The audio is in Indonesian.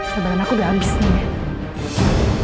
sebenarnya aku udah abis nih